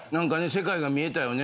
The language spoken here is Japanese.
世界が見えたよね。